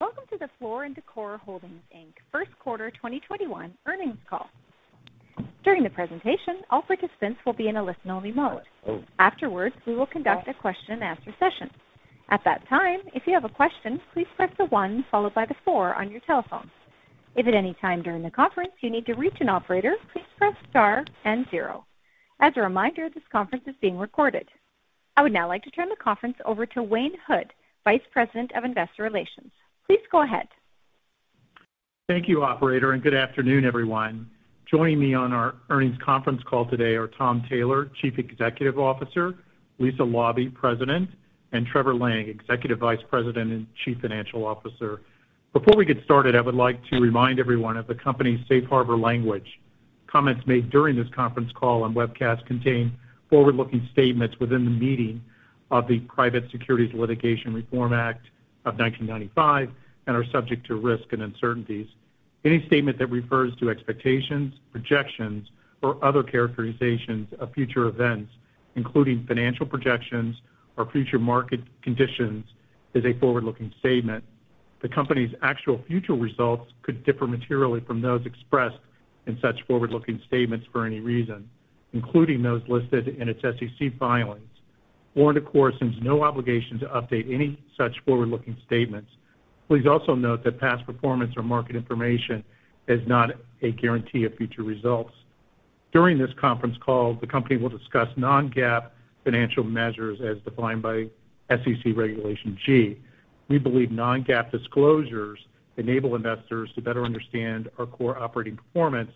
Welcome to the Floor & Decor Holdings, Inc. first quarter 2021 earnings call. During the presentation, all participants will be in a listen-only mode. Afterwards, we will conduct a question-and-answer session. At that time, if you have a question, please press one followed by four on your telephone. If at any time during the conference you need to reach an operator, please press star and zero. As a reminder, this conference is being recorded. I would now like to turn the conference over to Wayne Hood, Vice President of Investor Relations. Please go ahead. Thank you, operator, and good afternoon, everyone. Joining me on our earnings conference call today are Tom Taylor, Chief Executive Officer, Lisa Laube, President, and Trevor Lang, Executive Vice President and Chief Financial Officer. Before we get started, I would like to remind everyone of the company's safe harbor language. Comments made during this conference call and webcast contain forward-looking statements within the meaning of the Private Securities Litigation Reform Act of 1995 and are subject to risk and uncertainties. Any statement that refers to expectations, projections, or other characterizations of future events, including financial projections or future market conditions, is a forward-looking statement. The Company's actual future results could differ materially from those expressed in such forward-looking statements for any reason, including those listed in its SEC filings. Floor & Decor assumes no obligation to update any such forward-looking statements. Please also note that past performance or market information is not a guarantee of future results. During this conference call, the company will discuss non-GAAP financial measures as defined by SEC Regulation G. We believe non-GAAP disclosures enable investors to better understand our core operating performance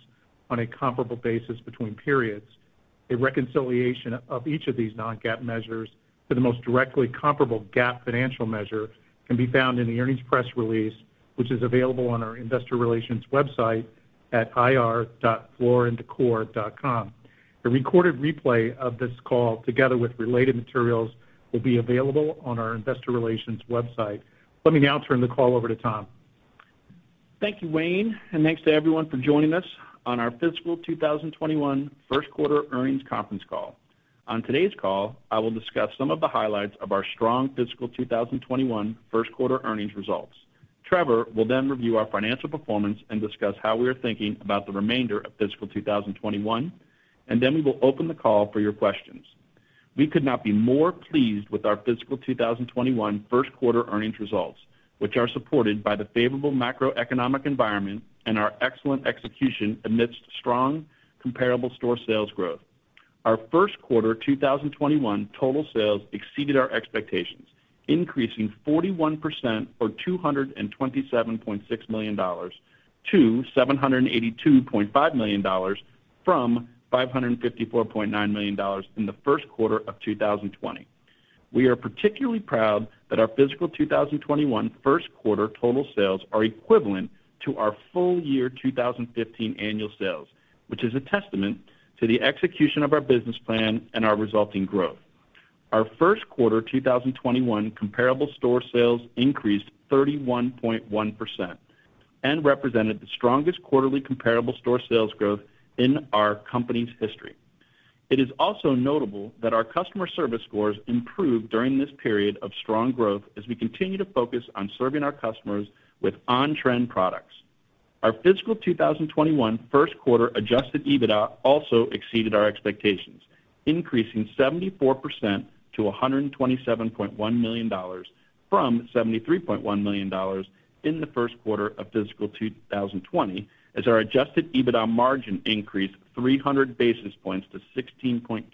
on a comparable basis between periods. A reconciliation of each of these non-GAAP measures to the most directly comparable GAAP financial measure can be found in the earnings press release, which is available on our investor relations website at ir.flooranddecor.com. A recorded replay of this call, together with related materials, will be available on our investor relations website. Let me now turn the call over to Tom. Thank you, Wayne, and thanks to everyone for joining us on our fiscal 2021 first quarter earnings conference call. On today's call, I will discuss some of the highlights of our strong fiscal 2021 first quarter earnings results. Trevor will then review our financial performance and discuss how we are thinking about the remainder of fiscal 2021, and then we will open the call for your questions. We could not be more pleased with our fiscal 2021 first quarter earnings results, which are supported by the favorable macroeconomic environment and our excellent execution amidst strong comparable store sales growth. Our first quarter 2021 total sales exceeded our expectations, increasing 41% or $227.6 million-$782.5 million from $554.9 million in the first quarter of 2020. We are particularly proud that our fiscal 2021 first quarter total sales are equivalent to our full year 2015 annual sales, which is a testament to the execution of our business plan and our resulting growth. Our first quarter 2021 comparable store sales increased 31.1% and represented the strongest quarterly comparable store sales growth in our company's history. It is also notable that our customer service scores improved during this period of strong growth as we continue to focus on serving our customers with on-trend products. Our fiscal 2021 first quarter adjusted EBITDA also exceeded our expectations, increasing 74% to $127.1 million from $73.1 million in the first quarter of fiscal 2020 as our adjusted EBITDA margin increased 300 basis points to 16.2%.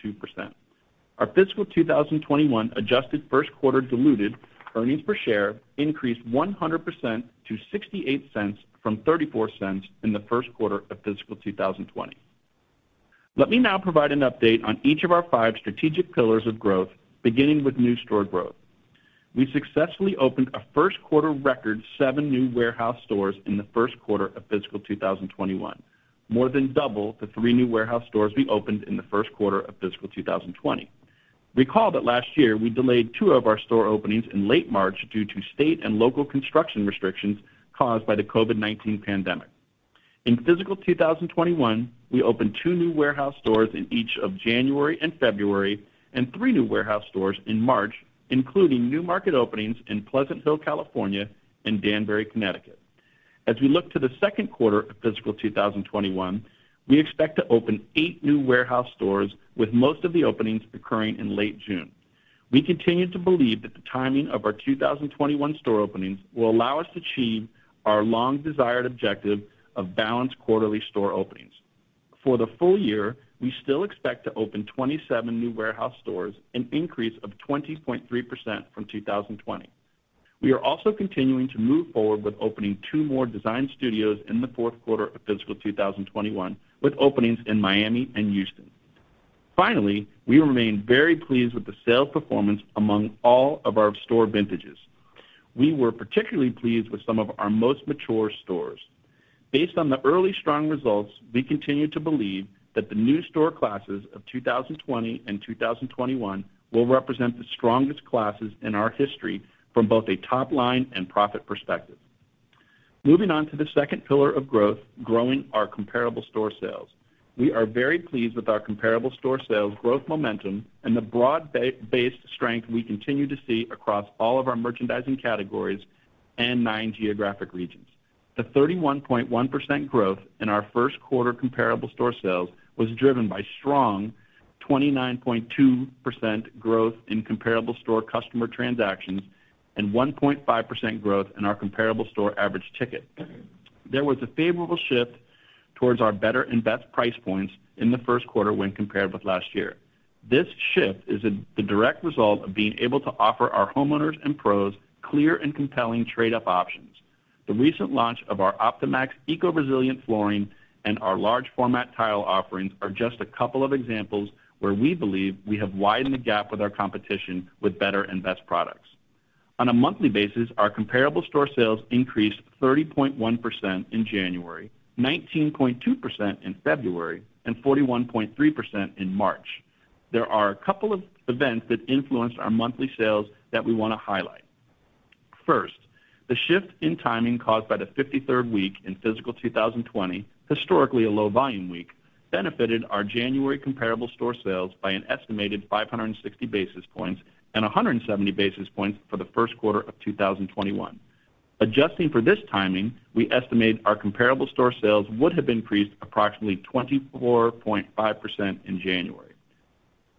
Our fiscal 2021 adjusted first quarter diluted earnings per share increased 100% to $0.68 from $0.34 in the first quarter of fiscal 2020. Let me now provide an update on each of our five strategic pillars of growth, beginning with new store growth. We successfully opened a first quarter record seven new warehouse stores in the first quarter of fiscal 2021, more than double the three new warehouse stores we opened in the first quarter of fiscal 2020. Recall that last year, we delayed two of our store openings in late March due to state and local construction restrictions caused by the COVID-19 pandemic. In fiscal 2021, we opened two new warehouse stores in each of January and February and three new warehouse stores in March, including new market openings in Pleasant Hill, California, and Danbury, Connecticut. As we look to the second quarter of fiscal 2021, we expect to open eight new warehouse stores with most of the openings occurring in late June. We continue to believe that the timing of our 2021 store openings will allow us to achieve our long-desired objective of balanced quarterly store openings. For the full year, we still expect to open 27 new warehouse stores, an increase of 20.3% from 2020. We are also continuing to move forward with opening two more Design Studio in the fourth quarter of fiscal 2021, with openings in Miami and Houston. Finally, we remain very pleased with the sales performance among all of our store vintages. We were particularly pleased with some of our most mature stores. Based on the early strong results, we continue to believe that the new store classes of 2020 and 2021 will represent the strongest classes in our history from both a top-line and profit perspective. Moving on to the second pillar of growth, growing our comparable store sales. We are very pleased with our comparable store sales growth momentum and the broad-based strength we continue to see across all of our merchandising categories and nine geographic regions. The 31.1% growth in our first quarter comparable store sales was driven by strong 29.2% growth in comparable store customer transactions and 1.5% growth in our comparable store average ticket. There was a favorable shift towards our better and best price points in the first quarter when compared with last year. This shift is the direct result of being able to offer our homeowners and pros clear and compelling trade-up options. The recent launch of our Optimax Eco Resilient Flooring and our large format tile offerings are just a couple of examples where we believe we have widened the gap with our competition with better and best products. On a monthly basis, our comparable store sales increased 30.1% in January, 19.2% in February, and 41.3% in March. There are a couple of events that influenced our monthly sales that we wanna highlight. First, the shift in timing caused by the 53rd week in fiscal 2020, historically a low volume week, benefited our January comparable store sales by an estimated 560 basis points and 170 basis points for the first quarter of 2021. Adjusting for this timing, we estimate our comparable store sales would have increased approximately 24.5% in January.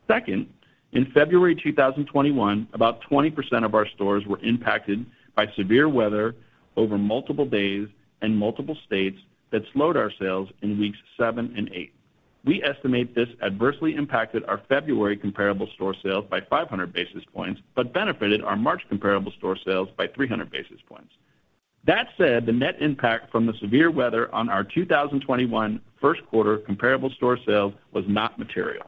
Second, in February 2021, about 20% of our stores were impacted by severe weather over multiple days in multiple states that slowed our sales in weeks seven and eight. We estimate this adversely impacted our February comparable store sales by 500 basis points, but benefited our March comparable store sales by 300 basis points. That said, the net impact from the severe weather on our 2021 first quarter comparable store sales was not material.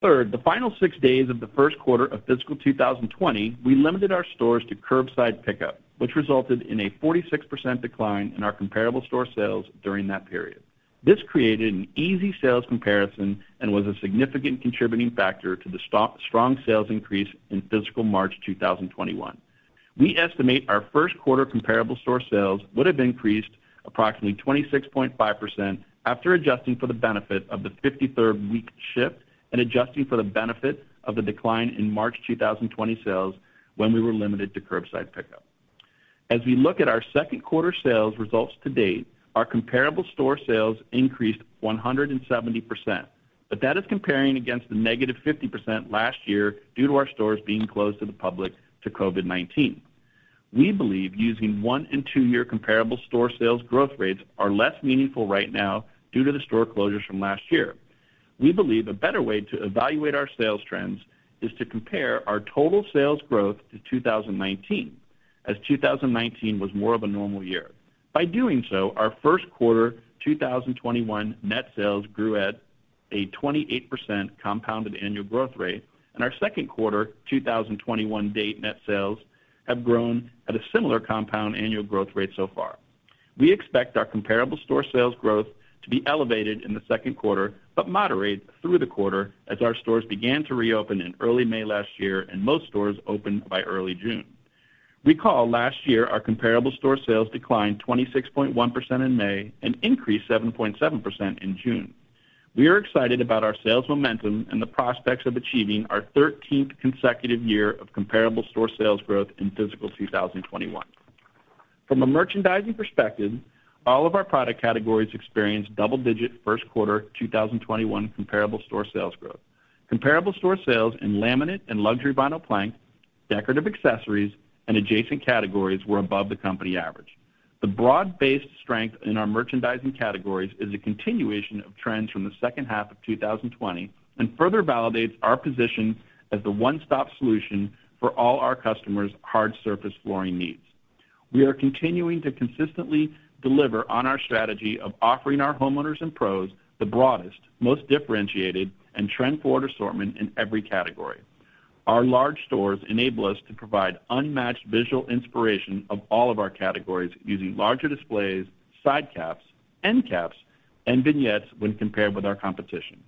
Third, the final six days of the first quarter of fiscal 2020, we limited our stores to curbside pickup, which resulted in a 46% decline in our comparable store sales during that period. This created an easy sales comparison and was a significant contributing factor to the strong sales increase in fiscal March 2021. We estimate our first quarter comparable store sales would have increased approximately 26.5% after adjusting for the benefit of the 53rd week shift and adjusting for the benefit of the decline in March 2020 sales when we were limited to curbside pickup. As we look at our second quarter sales results to date, our comparable store sales increased 170%, but that is comparing against the -50% last year due to our stores being closed to the public due to COVID-19. We believe using one- and two-year comparable store sales growth rates are less meaningful right now due to the store closures from last year. We believe a better way to evaluate our sales trends is to compare our total sales growth to 2019, as 2019 was more of a normal year. By doing so, our first quarter 2021 net sales grew at a 28% compounded annual growth rate, and our second quarter 2021 date net sales have grown at a similar compound annual growth rate so far. We expect our comparable store sales growth to be elevated in the second quarter, but moderate through the quarter as our stores began to reopen in early May last year and most stores opened by early June. Recall last year, our comparable store sales declined 26.1% in May and increased 7.7% in June. We are excited about our sales momentum and the prospects of achieving our 13th consecutive year of comparable store sales growth in fiscal 2021. From a merchandising perspective, all of our product categories experienced double-digit first quarter 2021 comparable store sales growth. Comparable store sales in laminate and luxury vinyl plank, decorative accessories, and adjacent categories were above the company average. The broad-based strength in our merchandising categories is a continuation of trends from the second half of 2020, and further validates our position as the one-stop solution for all our customers' hard surface flooring needs. We are continuing to consistently deliver on our strategy of offering our homeowners and pros the broadest, most differentiated, and trend forward assortment in every category. Our large stores enable us to provide unmatched visual inspiration of all of our categories using larger displays, side caps, end caps, and vignettes when compared with our competition.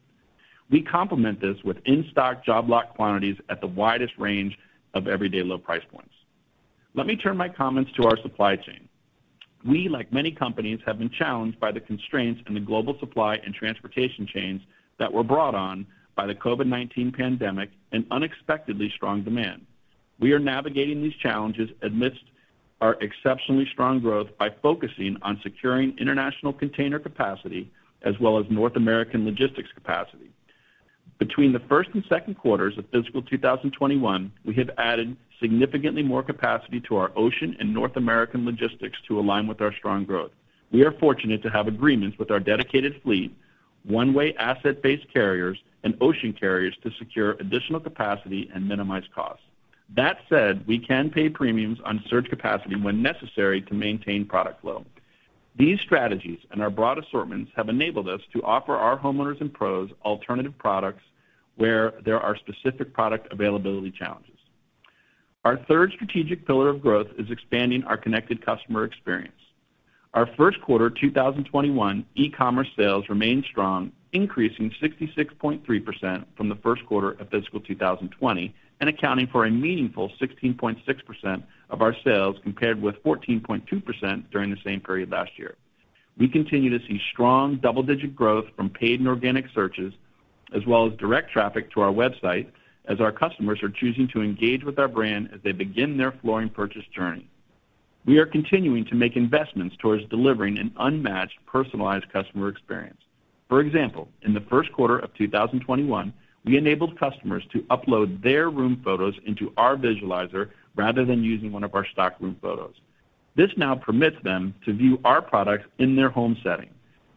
We complement this with in-stock job lot quantities at the widest range of everyday low price points. Let me turn my comments to our supply chain. We, like many companies, have been challenged by the constraints in the global supply and transportation chains that were brought on by the COVID-19 pandemic and unexpectedly strong demand. We are navigating these challenges amidst our exceptionally strong growth by focusing on securing international container capacity as well as North American logistics capacity. Between the first and second quarters of fiscal 2021, we have added significantly more capacity to our ocean and North American logistics to align with our strong growth. We are fortunate to have agreements with our dedicated fleet, one-way asset-based carriers, and ocean carriers to secure additional capacity and minimize costs. That said, we can pay premiums on surge capacity when necessary to maintain product flow. These strategies and our broad assortments have enabled us to offer our homeowners and pros alternative products where there are specific product availability challenges. Our third strategic pillar of growth is expanding our connected customer experience. Our first quarter 2021 e-commerce sales remained strong, increasing 66.3% from the first quarter of fiscal 2020, and accounting for a meaningful 16.6% of our sales compared with 14.2% during the same period last year. We continue to see strong double-digit growth from paid and organic searches, as well as direct traffic to our website as our customers are choosing to engage with our brand as they begin their flooring purchase journey. We are continuing to make investments towards delivering an unmatched personalized customer experience. For example, in the first quarter of 2021, we enabled customers to upload their room photos into our visualizer rather than using one of our stock room photos. This now permits them to view our products in their home setting.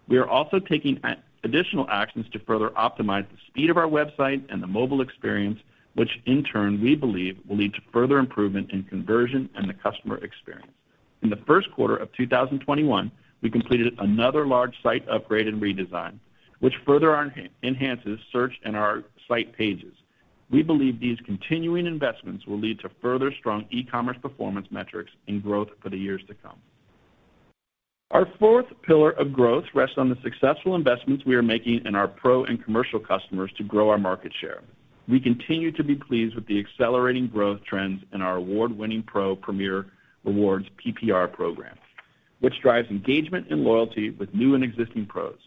We are also taking additional actions to further optimize the speed of our website and the mobile experience, which in turn, we believe, will lead to further improvement in conversion and the customer experience. In the first quarter of 2021, we completed another large site upgrade and redesign, which further enhances search in our site pages. We believe these continuing investments will lead to further strong e-commerce performance metrics and growth for the years to come. Our fourth pillar of growth rests on the successful investments we are making in our pro and commercial customers to grow our market share. We continue to be pleased with the accelerating growth trends in our award-winning Pro Premier Rewards, PPR program, which drives engagement and loyalty with new and existing pros.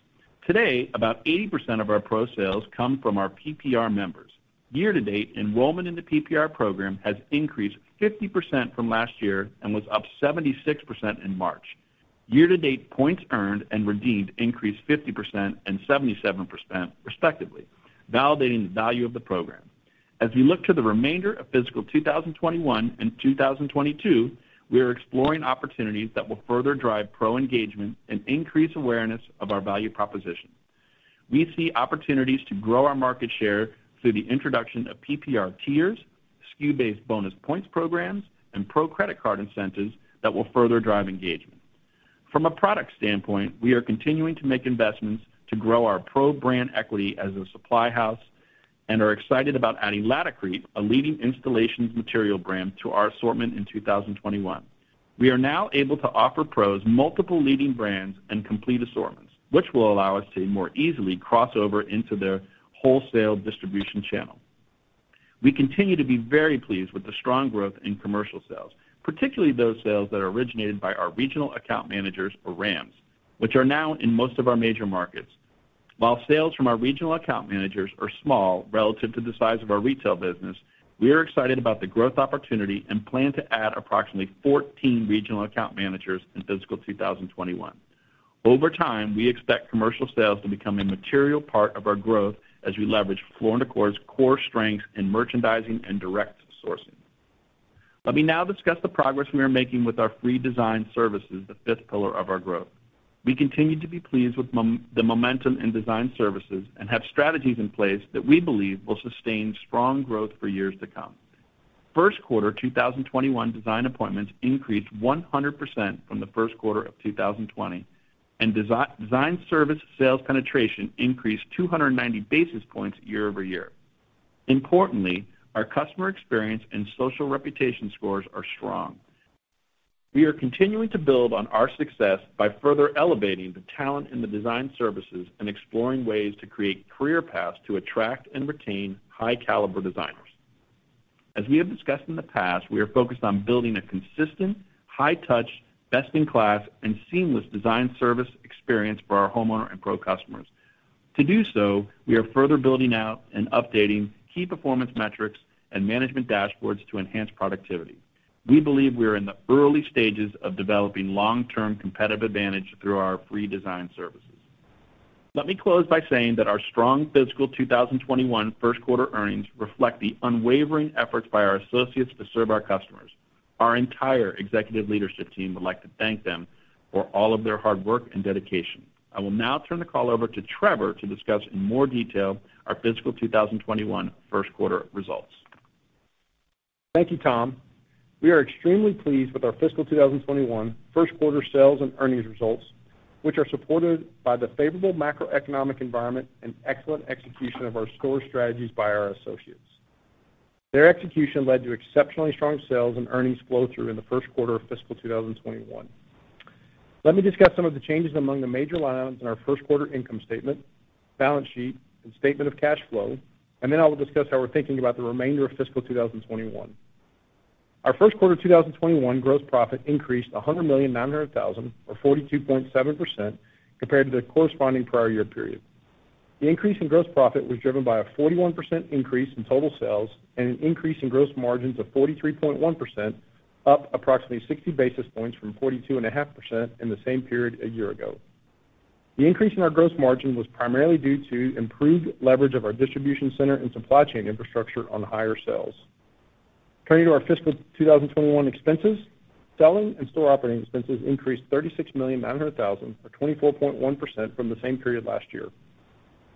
Today, about 80% of our pro sales come from our PPR members. Year to date, enrollment in the PPR program has increased 50% from last year and was up 76% in March. Year-to-date, points earned and redeemed increased 50% and 77% respectively, validating the value of the program. As we look to the remainder of fiscal 2021 and 2022, we are exploring opportunities that will further drive pro engagement and increase awareness of our value proposition. We see opportunities to grow our market share through the introduction of PPR tiers, SKU-based bonus points programs, and pro credit card incentives that will further drive engagement. From a product standpoint, we are continuing to make investments to grow our pro brand equity as a supply house and are excited about adding LATICRETE, a leading installations material brand, to our assortment in 2021. We are now able to offer pros multiple leading brands and complete assortments, which will allow us to more easily cross over into their wholesale distribution channel. We continue to be very pleased with the strong growth in commercial sales, particularly those sales that are originated by our regional account managers or RAMs, which are now in most of our major markets. While sales from our regional account managers are small relative to the size of our retail business, we are excited about the growth opportunity and plan to add approximately 14 regional account managers in fiscal 2021. Over time, we expect commercial sales to become a material part of our growth as we leverage Floor & Decor's core strengths in merchandising and direct sourcing. Let me now discuss the progress we are making with our free design services, the fifth pillar of our growth. We continue to be pleased with the momentum in design services and have strategies in place that we believe will sustain strong growth for years to come. First quarter 2021 design appointments increased 100% from the first quarter of 2020, and design service sales penetration increased 290 basis points year-over-year. Importantly, our customer experience and social reputation scores are strong. We are continuing to build on our success by further elevating the talent in the design services and exploring ways to create career paths to attract and retain high-caliber designers. As we have discussed in the past, we are focused on building a consistent, high-touch, best-in-class, and seamless design service experience for our homeowner and pro customers. To do so, we are further building out and updating key performance metrics and management dashboards to enhance productivity. We believe we are in the early stages of developing long-term competitive advantage through our free design services. Let me close by saying that our strong fiscal 2021 first quarter earnings reflect the unwavering efforts by our associates to serve our customers. Our entire executive leadership team would like to thank them for all of their hard work and dedication. I will now turn the call over to Trevor to discuss in more detail our fiscal 2021 first quarter results. Thank you, Tom. We are extremely pleased with our fiscal 2021 first quarter sales and earnings results, which are supported by the favorable macroeconomic environment and excellent execution of our store strategies by our associates. Their execution led to exceptionally strong sales and earnings flow through in the first quarter of fiscal 2021. Let me discuss some of the changes among the major line items in our first quarter income statement, balance sheet, and statement of cash flow, then I will discuss how we're thinking about the remainder of fiscal 2021. Our first quarter 2021 gross profit increased $100.9 million Or 42.7% compared to the corresponding prior year period. The increase in gross profit was driven by a 41% increase in total sales and an increase in gross margins of 43.1%, up approximately 60 basis points from 42.5% in the same period a year ago. The increase in our gross margin was primarily due to improved leverage of our distribution center and supply chain infrastructure on higher sales. Turning to our fiscal 2021 expenses, selling and store operating expenses increased $36.9 million or 24.1% from the same period last year.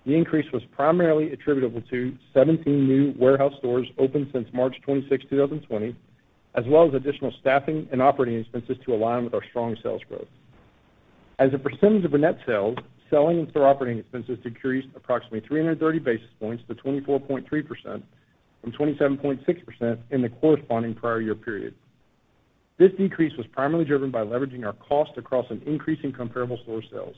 The increase was primarily attributable to 17 new warehouse stores opened since March 26, 2020, as well as additional staffing and operating expenses to align with our strong sales growth. As a percentage of the net sales, selling and store operating expenses decreased approximately 330 basis points to 24.3% from 27.6% in the corresponding prior year period. This decrease was primarily driven by leveraging our cost across an increase in comparable store sales.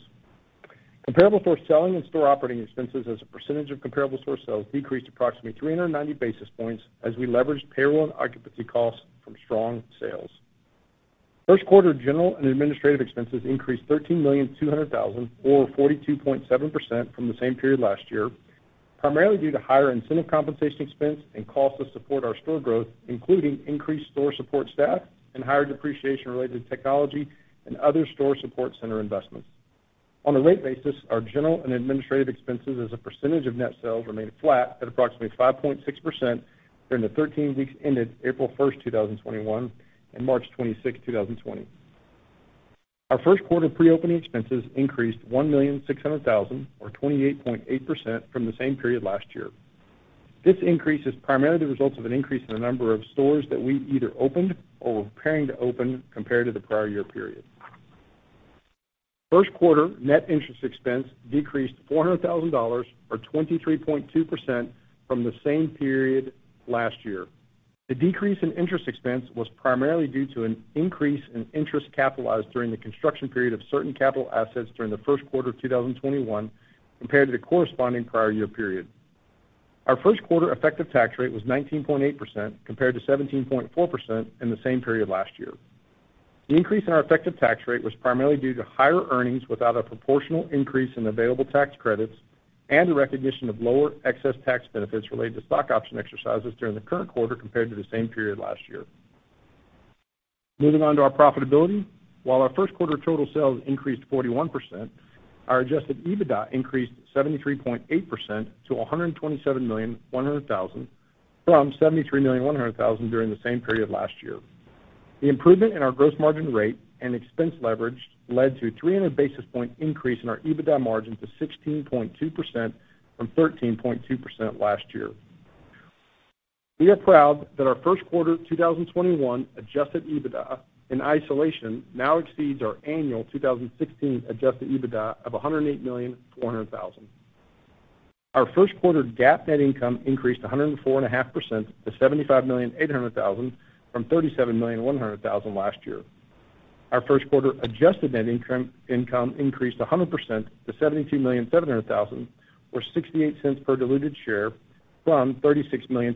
Comparable store selling and store operating expenses as a percentage of comparable store sales decreased approximately 390 basis points as we leveraged payroll and occupancy costs from strong sales. First quarter General and Administrative expenses increased $13.2 million or 42.7% from the same period last year, primarily due to higher incentive compensation expense and costs to support our store growth, including increased store support staff and higher depreciation related to technology and other store support center investments. On a rate basis, our general and administrative expenses as a percentage of net sales remained flat at approximately 5.6% during the 13 weeks ended April 1st, 2021, and March 26th, 2020. Our first quarter pre-opening expenses increased $1.6 million or 28.8% from the same period last year. This increase is primarily the result of an increase in the number of stores that we either opened or were preparing to open compared to the prior year period. First quarter net interest expense decreased $400,000 or 23.2% from the same period last year. The decrease in interest expense was primarily due to an increase in interest capitalized during the construction period of certain capital assets during the first quarter of 2021 compared to the corresponding prior year period. Our first quarter effective tax rate was 19.8% compared to 17.4% in the same period last year. The increase in our effective tax rate was primarily due to higher earnings without a proportional increase in available tax credits and the recognition of lower excess tax benefits related to stock option exercises during the current quarter compared to the same period last year. Moving on to our profitability. While our first quarter total sales increased 41%, our adjusted EBITDA increased 73.8% to $127.1 million from $73.1 million during the same period last year. The improvement in our gross margin rate and expense leverage led to a 300 basis point increase in our EBITDA margin to 16.2% from 13.2% last year. We are proud that our first quarter 2021 adjusted EBITDA in isolation now exceeds our annual 2016 adjusted EBITDA of $108.4 million. Our first quarter GAAP net income increased 104.5% to $75.8 million from $37.1 million last year. Our first quarter adjusted net income increased 100% to $72.7 million or $0.68 per diluted share from $36.3 million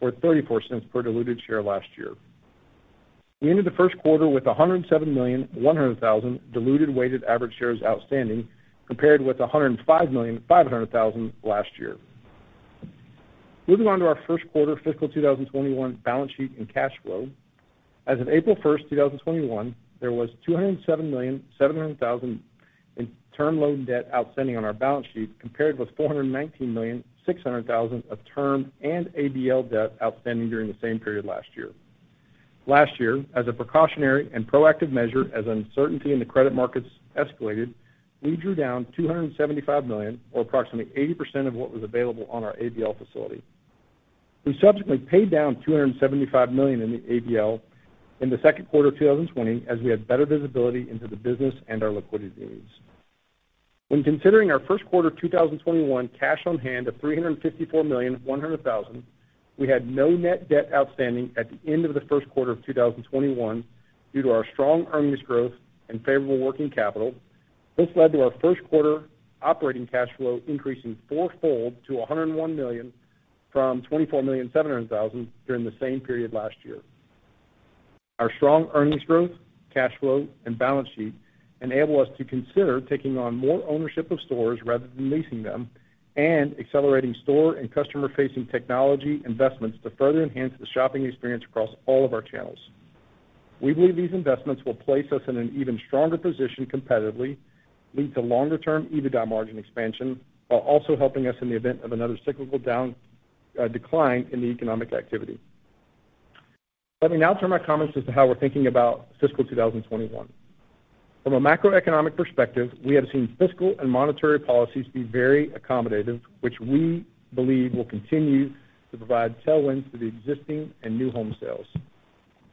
or $0.34 per diluted share last year. We ended the first quarter with 107.1 million diluted weighted average shares outstanding compared with 105.5 million last year. Moving on to our first quarter fiscal 2021 balance sheet and cash flow. As of April 1st, 2021, there was $207.7 million in term loan debt outstanding on our balance sheet, compared with $419.6 million of term and ABL debt outstanding during the same period last year. Last year, as a precautionary and proactive measure as uncertainty in the credit markets escalated, we drew down $275 million or approximately 80% of what was available on our ABL facility. We subsequently paid down $275 million in the ABL in second quarter 2020 as we had better visibility into the business and our liquidity needs. When considering our first quarter 2021 cash on hand of $354.1 million, we had no net debt outstanding at the end of the first quarter 2021 due to our strong earnings growth and favorable working capital. This led to our first quarter operating cash flow increasing fourfold to $101 million from $24.7 million during the same period last year. Our strong earnings growth, cash flow, and balance sheet enable us to consider taking on more ownership of stores rather than leasing them and accelerating store and customer-facing technology investments to further enhance the shopping experience across all of our channels. We believe these investments will place us in an even stronger position competitively, lead to longer-term EBITDA margin expansion, while also helping us in the event of another cyclical decline in the economic activity. Let me now turn my comments as to how we're thinking about fiscal 2021. From a macroeconomic perspective, we have seen fiscal and monetary policies be very accommodative, which we believe will continue to provide tailwinds to the existing and new home sales.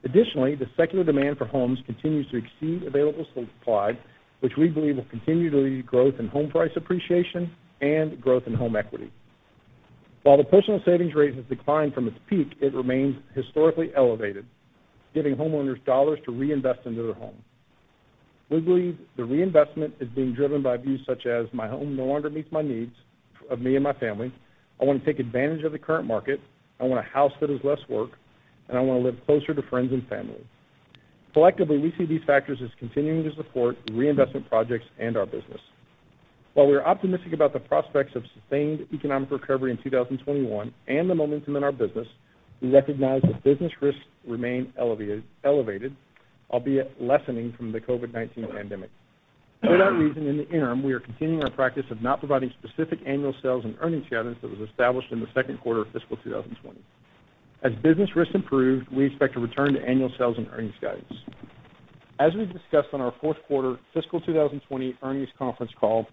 The secular demand for homes continues to exceed available supply, which we believe will continue to lead growth in home price appreciation and growth in home equity. The personal savings rate has declined from its peak, it remains historically elevated, giving homeowners dollars to reinvest into their home. We believe the reinvestment is being driven by views such as, "My home no longer meets my needs of me and my family. I wanna take advantage of the current market. I want a house that is less work, and I wanna live closer to friends and family." We see these factors as continuing to support reinvestment projects and our business. We are optimistic about the prospects of sustained economic recovery in 2021 and the momentum in our business, we recognize that business risks remain elevated, albeit lessening from the COVID-19 pandemic. For that reason, in the interim, we are continuing our practice of not providing specific annual sales and earnings guidance that was established in the second quarter of fiscal 2020. As business risks improve, we expect to return to annual sales and earnings guidance. As we discussed on our fourth quarter fiscal 2020 earnings conference call,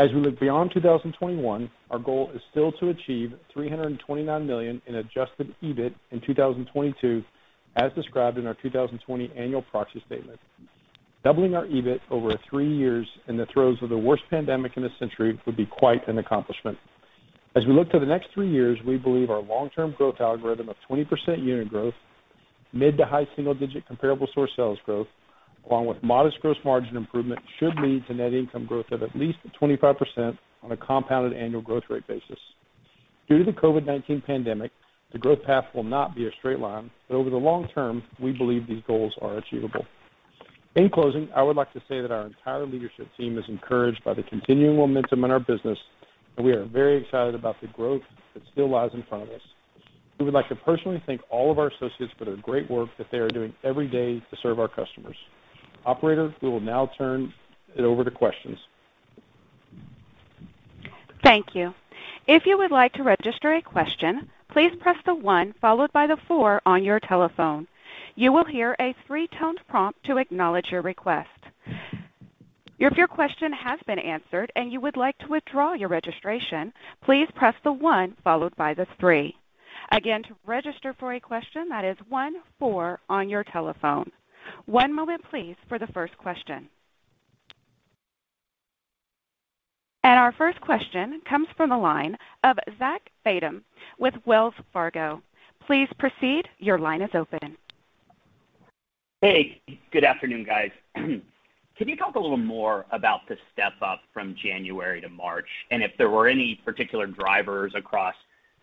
as we look beyond 2021, our goal is still to achieve $329 million in adjusted EBIT in 2022, as described in our 2020 annual proxy statement. Doubling our EBIT over three years in the throes of the worst pandemic in a century would be quite an accomplishment. As we look to the next three years, we believe our long-term growth algorithm of 20% unit growth, mid to high single-digit comparable store sales growth, along with modest gross margin improvement should lead to net income growth of at least 25% on a compounded annual growth rate basis. Due to the COVID-19 pandemic, the growth path will not be a straight line, but over the long term, we believe these goals are achievable. In closing, I would like to say that our entire leadership team is encouraged by the continuing momentum in our business, and we are very excited about the growth that still lies in front of us. We would like to personally thank all of our associates for the great work that they are doing every day to serve our customers. Operator, we will now turn it over to questions. Thank you. If you would like to register a question please press the one followed by the four on your telephone. You will hear a free tone prompt to acknowledge your request. If you question has been answered, and you would like to withdraw your registration, please press the one followed by the three. Again to register for a question that is one, four. One moment please for the first question. Our first question comes from the line of Zachary Fadem with Wells Fargo. Please proceed. Your line is open. Hey, good afternoon, guys. Can you talk a little more about the step up from January to March, and if there were any particular drivers across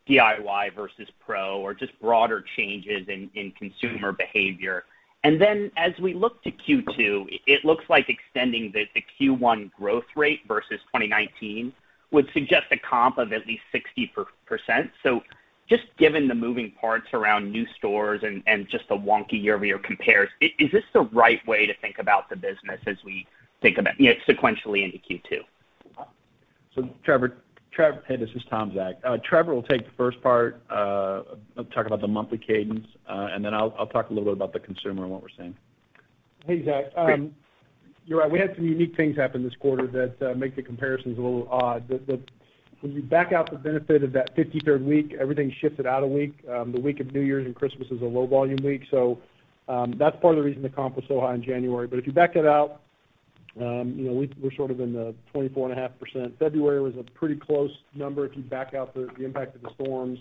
DIY versus pro or just broader changes in consumer behavior? As we look to Q2, it looks like extending the Q1 growth rate versus 2019 would suggest a comp of at least 60%. Just given the moving parts around new stores and just the wonky year-over-year compares, is this the right way to think about the business as we think about, you know, sequentially into Q2? Trevor. Hey, this is Tom, Zach. Trevor will take the first part, talk about the monthly cadence, and then I'll talk a little bit about the consumer and what we're seeing. Hey, Zach. You're right. We had some unique things happen this quarter that make the comparisons a little odd. When you back out the benefit of that 53rd week, everything shifted out a week. The week of New Year's and Christmas is a low volume week, so that's part of the reason the comp was so high in January. If you back that out, we're sort of in the 24.5%. February was a pretty close number if you back out the impact of the storms.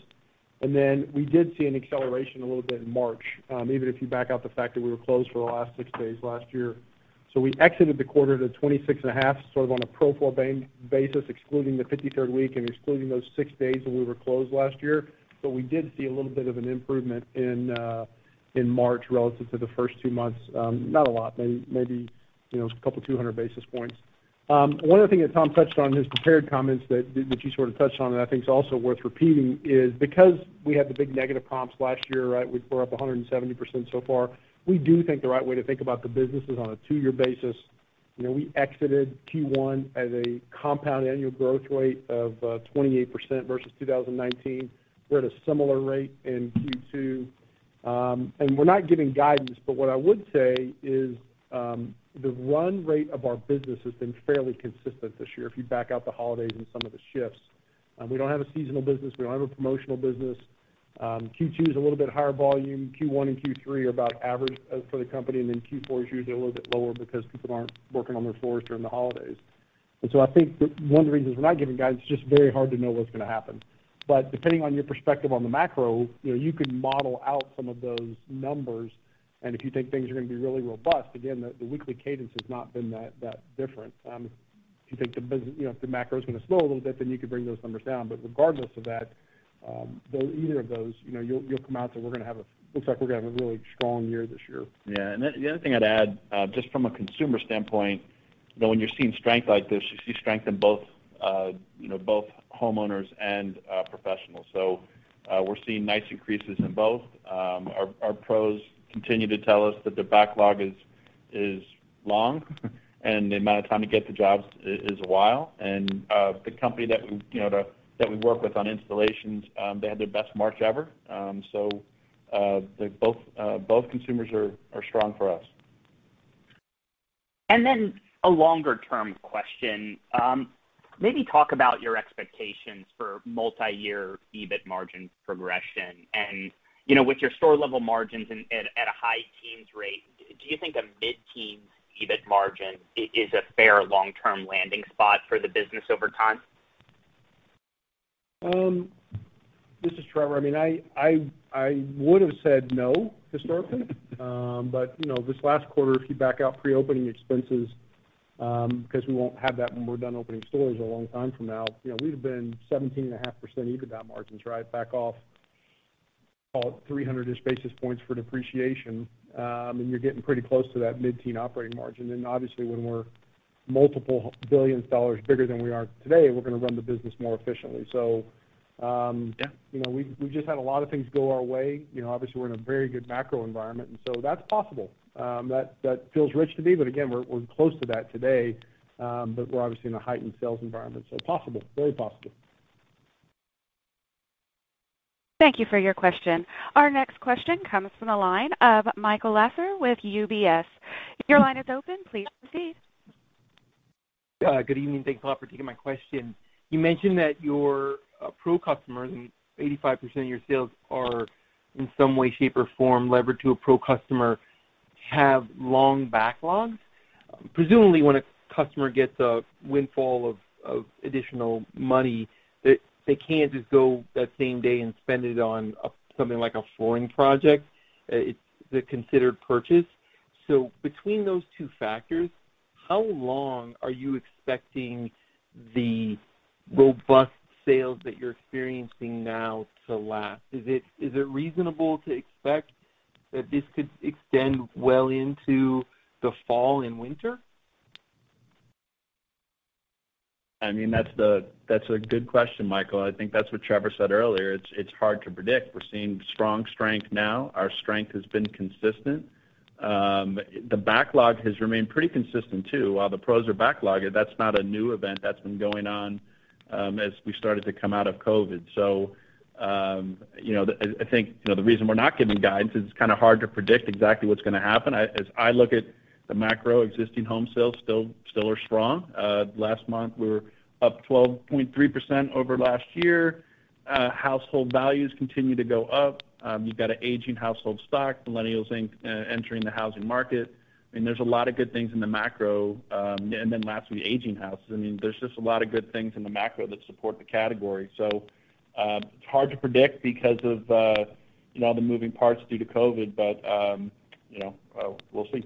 We did see an acceleration a little bit in March, even if you back out the fact that we were closed for the last six days last year. We exited the quarter at a 26.5, sort of on a pro forma basis, excluding the 53rd week and excluding those six days when we were closed last year. We did see a little bit of an improvement in March relative to the first two months. Not a lot, maybe, you know, a couple, 200 basis points. One other thing that Tom touched on in his prepared comments that you sort of touched on and I think is also worth repeating is because we had the big negative comps last year, right, we were up 170% so far, we do think the right way to think about the business is on a two-year basis. You know, we exited Q1 at a compound annual growth rate of 28% versus 2019. We're at a similar rate in Q2. We're not giving guidance, but what I would say is, the run rate of our business has been fairly consistent this year if you back out the holidays and some of the shifts. We don't have a seasonal business. We don't have a promotional business. Q2 is a little bit higher volume. Q1 and Q3 are about average for the company, Q4 is usually a little bit lower because people aren't working on their floors during the holidays. I think that one of the reasons we're not giving guidance, it's just very hard to know what's gonna happen. Depending on your perspective on the macro, you know, you can model out some of those numbers. If you think things are gonna be really robust, again, the weekly cadence has not been that different. If you think, you know, if the macro is gonna slow a little bit, then you could bring those numbers down. Regardless of that, either of those, you know, you'll come out to Looks like we're gonna have a really strong year this year. Yeah. The other thing I'd add, just from a consumer standpoint, you know, when you're seeing strength like this, you see strength in both, you know, both homeowners and professionals. We're seeing nice increases in both. Our pros continue to tell us that their backlog is long, and the amount of time to get the jobs is a while. The company that we, you know, that we work with on installations, they had their best March ever. Both consumers are strong for us. Then a longer-term question. Maybe talk about your expectations for multi-year EBIT margin progression. You know, with your store level margins in, at a high teens rate, do you think a mid-teens EBIT margin is a fair long-term landing spot for the business over time? This is Trevor. I mean, I would have said no historically. You know, this last quarter, if you back out pre-opening expenses, because we won't have that when we're done opening stores a long time from now. You know, we've been 17.5% EBITDA margins, right? Back off call it 300-ish basis points for depreciation, and you're getting pretty close to that mid-teen operating margin. Obviously, when we're multiple billions dollars bigger than we are today, we're gonna run the business more efficiently. Yeah You know, we've just had a lot of things go our way. You know, obviously, we're in a very good macro environment, that's possible. That feels rich to me, again, we're close to that today. We're obviously in a heightened sales environment. Possible. Very possible. Thank you for your question. Our next question comes from the line of Michael Lasser with UBS. Your line is open. Please proceed. Good evening. Thanks a lot for taking my question. You mentioned that your pro customers and 85% of your sales are in some way, shape, or form levered to a pro customer have long backlogs. Presumably, when a customer gets a windfall of additional money, they can't just go that same day and spend it on something like a flooring project. It's a considered purchase. Between those two factors, how long are you expecting the robust sales that you're experiencing now to last? Is it reasonable to expect that this could extend well into the fall and winter? I mean, that's a good question, Michael. I think that's what Trevor said earlier. It's hard to predict. We're seeing strong strength now. Our strength has been consistent. The backlog has remained pretty consistent too. While the pros are backlogged, that's not a new event. That's been going on as we started to come out of COVID. You know, I think, you know, the reason we're not giving guidance is it's kind of hard to predict exactly what's gonna happen. As I look at the macro existing home sales still are strong. Last month we were up 12.3% over last year. Household values continue to go up. You've got an aging household stock, millennials entering the housing market. I mean, there's a lot of good things in the macro, and then lastly, aging houses. I mean, there's just a lot of good things in the macro that support the category. You know, we'll see.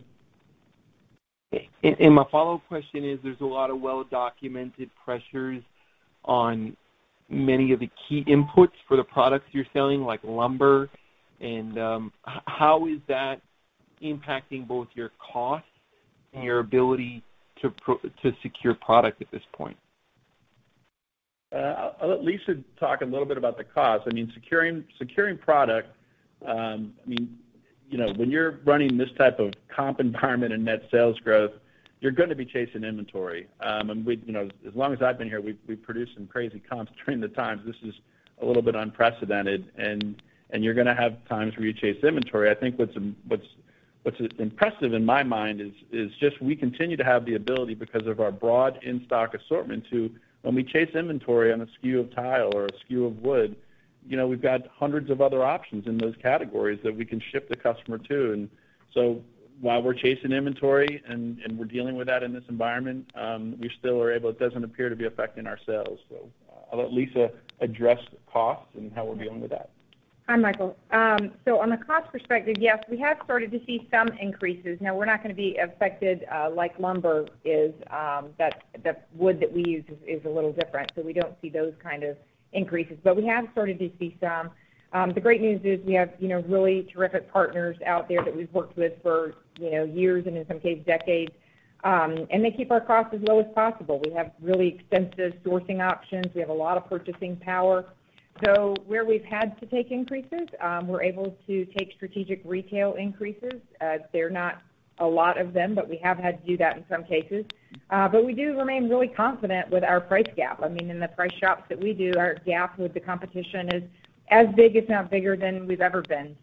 My follow-up question is, there's a lot of well-documented pressures on many of the key inputs for the products you're selling, like lumber, and how is that impacting both your costs and your ability to secure product at this point? I'll let Lisa talk a little bit about the cost. I mean, securing product, I mean, you know, when you're running this type of comp environment and net sales growth, you're gonna be chasing inventory. You know, as long as I've been here, we've produced some crazy comps during the times. This is a little bit unprecedented, and you're gonna have times where you chase inventory. I think what's impressive in my mind is just we continue to have the ability, because of our broad in-stock assortment, to when we chase inventory on a SKU of tile or a SKU of wood, you know, we've got hundreds of other options in those categories that we can ship the customer to. While we're chasing inventory and we're dealing with that in this environment, It doesn't appear to be affecting our sales. I'll let Lisa address costs and how we're dealing with that. Hi, Michael Lasser. On the cost perspective, yes, we have started to see some increases. We're not going to be affected like lumber is. The wood that we use is a little different, we don't see those kind of increases. We have started to see some. The great news is we have, you know, really terrific partners out there that we've worked with for, you know, years, and in some cases, decades. They keep our costs as low as possible. We have really extensive sourcing options. We have a lot of purchasing power. Where we've had to take increases, we're able to take strategic retail increases. There are not a lot of them, we have had to do that in some cases. We do remain really confident with our price gap. I mean, in the price shops that we do, our gap with the competition is as big, if not bigger than we've ever been.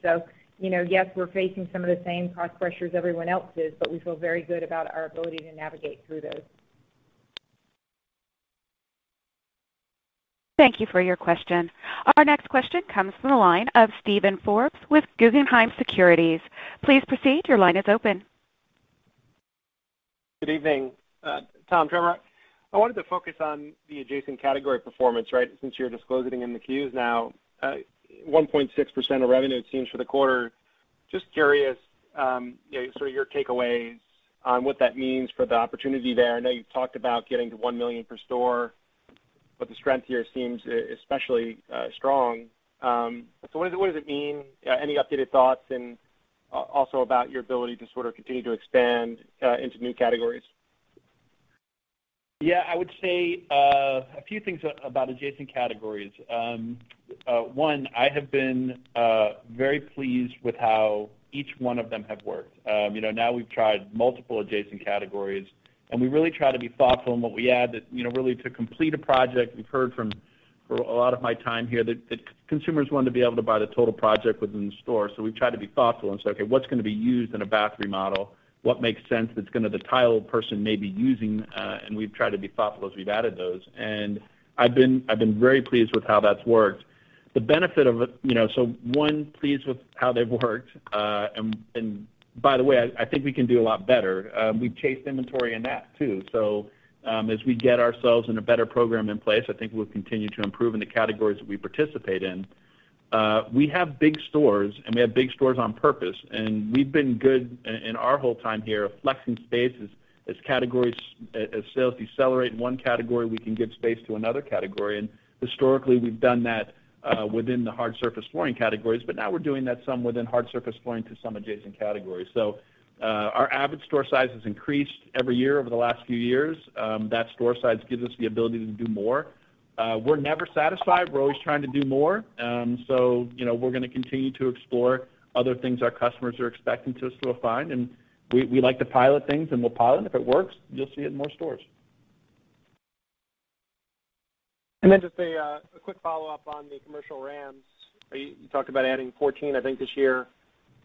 You know, yes, we're facing some of the same cost pressures everyone else is, but we feel very good about our ability to navigate through those. Thank you for your question. Our next question comes from the line of Steven Forbes with Guggenheim Securities. Please proceed. Your line is open. Good evening, Tom, Trevor. I wanted to focus on the adjacent category performance, right? Since you're disclosing in the Qs now, 1.6% of revenue it seems for the quarter. Just curious, you know, sort of your takeaways on what that means for the opportunity there. I know you've talked about getting to one million per store, but the strength here seems especially strong. What does it mean? Any updated thoughts and also about your ability to sort of continue to expand into new categories? I would say a few things about adjacent categories. I have been very pleased with how each one of them have worked. You know, now we've tried multiple adjacent categories, we really try to be thoughtful in what we add that, you know, really to complete a project. We've heard for a lot of my time here that consumers want to be able to buy the total project within the store. We've tried to be thoughtful and say, "Okay, what's gonna be used in a bath remodel? What makes sense that the tile person may be using?" We've tried to be thoughtful as we've added those. I've been very pleased with how that's worked. The benefit of, you know, so one, pleased with how they've worked. And by the way, I think we can do a lot better. We've chased inventory in that too. As we get ourselves in a better program in place, I think we'll continue to improve in the categories that we participate in. We have big stores, and we have big stores on purpose, and we've been good in our whole time here of flexing spaces. As sales decelerate in one category, we can give space to another category. Historically, we've done that within the hard surface flooring categories, but now we're doing that some within hard surface flooring to some adjacent categories. Our average store size has increased every year over the last few years. That store size gives us the ability to do more. We're never satisfied. We're always trying to do more. You know, we're gonna continue to explore other things our customers are expecting us to find, and we like to pilot things and we'll pilot them. If it works, you'll see it in more stores. Then just a quick follow-up on the commercial RAMs. You talked about adding 14, I think, this year.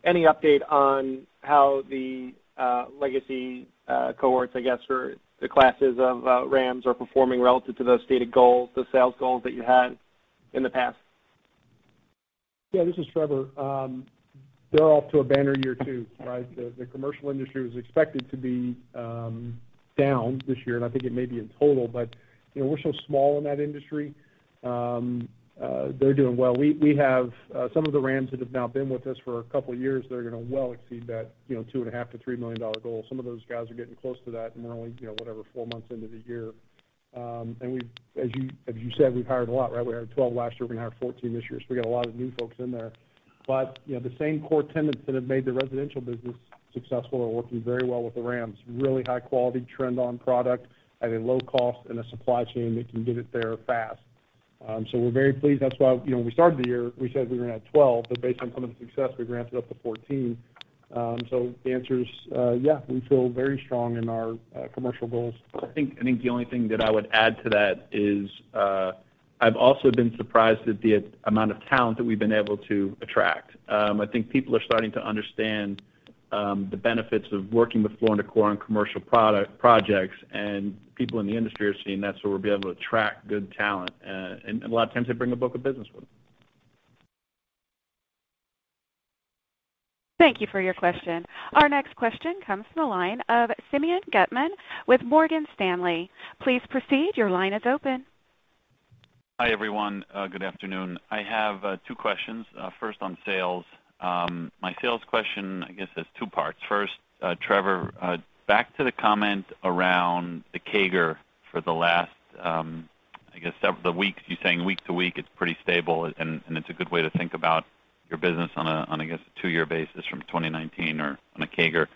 Any update on how the legacy cohorts, I guess, or the classes of RAMs are performing relative to those stated goals, the sales goals that you had in the past? Yeah, this is Trevor. They're off to a banner year, too, right? The commercial industry was expected to be down this year, and I think it may be in total, but, you know, we're so small in that industry. They're doing well. We have some of the RAMs that have now been with us for a couple of years, they're gonna well exceed that, you know, $2.5 million-$3 million goal. Some of those guys are getting close to that, and we're only, you know, whatever, four months into the year. We've As you said, we've hired a lot, right? We hired 12 last year. We're gonna hire 14 this year, we got a lot of new folks in there. You know, the same core tenets that have made the residential business successful are working very well with the RAMs. Really high quality trend on product at a low cost and a supply chain that can get it there fast. We're very pleased. That's why, you know, when we started the year, we said we were gonna have 12, but based on some of the success, we ramped it up to 14. The answer is, yeah, we feel very strong in our commercial goals. I think the only thing that I would add to that is, I've also been surprised at the amount of talent that we've been able to attract. I think people are starting to understand the benefits of working with Floor & Decor on commercial projects, and people in the industry are seeing that, we're being able to attract good talent. A lot of times they bring a book of business with them. Thank you for your question. Our next question comes from the line of Simeon Gutman with Morgan Stanley. Please proceed. Your line is open. Hi, everyone. Good afternoon. I have two questions. First on sales. My sales question, I guess, has two parts. First, Trevor Lang, back to the comment around the CAGR for the last, I guess, the weeks, you're saying week to week it's pretty stable and it's a good way to think about your business on a, on a, I guess, two-year basis from 2019 or on a CAGR.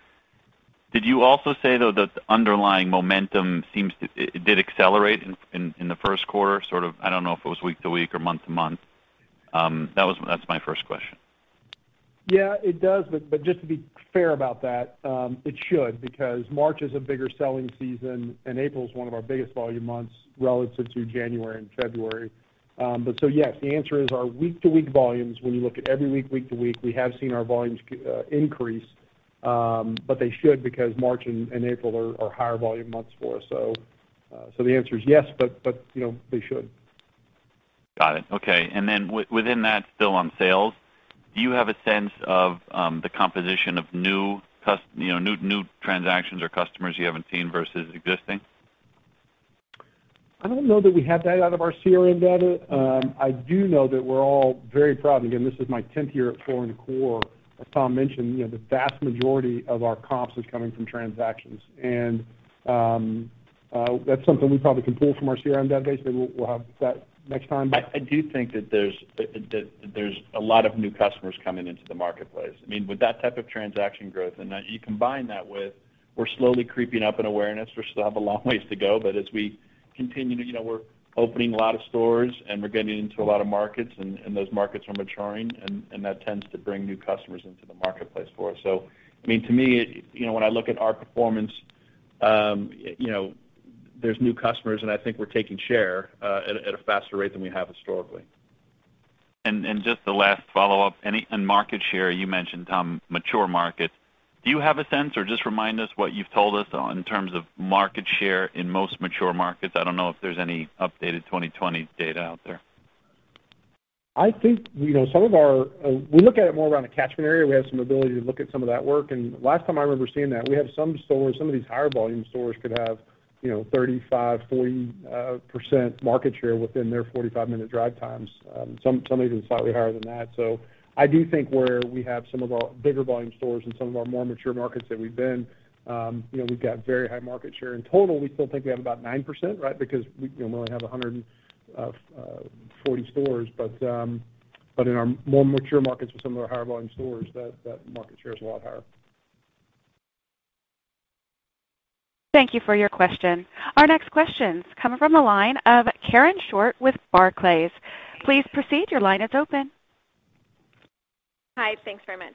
Did you also say, though, that the underlying momentum seems to It, it did accelerate in the first quarter, sort of, I don't know if it was week-to-week or month-to-month? That's my first question. Yeah, it does, but just to be fair about that, it should because March is a bigger selling season, and April is one of our biggest volume months relative to January and February. Yes, the answer is our week-to-week volumes, when you look at every week-to-week, we have seen our volumes increase, but they should because March and April are higher volume months for us. The answer is yes, but, you know, they should. Got it. Okay. Then within that, still on sales, do you have a sense of, you know, new transactions or customers you haven't seen versus existing? I don't know that we have that out of our CRM data. I do know that we're all very proud. Again, this is my tenth year at Floor & Decor. As Tom mentioned, you know, the vast majority of our comps is coming from transactions. That's something we probably can pull from our CRM database. Maybe we'll have that next time. I do think that there's a lot of new customers coming into the marketplace. I mean, with that type of transaction growth and that you combine that with we're slowly creeping up in awareness. We still have a long ways to go, but as we continue to, you know, we're opening a lot of stores, and we're getting into a lot of markets and those markets are maturing and that tends to bring new customers into the marketplace for us. I mean, to me, you know, when I look at our performance, you know, there's new customers, and I think we're taking share at a faster rate than we have historically. Just the last follow-up. On market share, you mentioned, Tom, mature markets. Do you have a sense, or just remind us what you've told us on in terms of market share in most mature markets? I don't know if there's any updated 2020 data out there. I think, you know, some of our. We look at it more around a catchment area. We have some ability to look at some of that work. Last time I remember seeing that, we have some stores, some of these higher volume stores could have, you know, 35%, 40% market share within their 45 minute drive times. Some even slightly higher than that. I do think where we have some of our bigger volume stores and some of our more mature markets that we've been, you know, we've got very high market share. In total, we still think we have about 9%, right? Because we, you know, we only have 140 stores. In our more mature markets with some of our higher volume stores, that market share is a lot higher. Thank you for your question. Our next question's coming from the line of Karen Short with Barclays. Please proceed. Your line is open. Hi. Thanks very much.